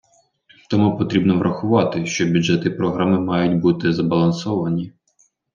Тому потрібно врахувати, що бюджет і програми мають бути збалансовані.